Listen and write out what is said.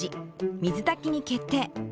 水炊きに決定！